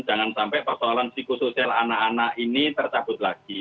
jangan sampai persoalan psikosoial anak anak ini tercabut lagi